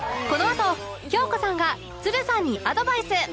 このあと京子さんがつるさんにアドバイス